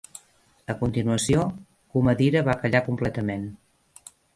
A continuació, Comadira va callar completament.